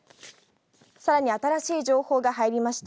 さらに新しい情報が入りました。